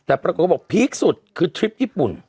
แปลประกอบบพีคสุดคือทริปญี่ปุ่น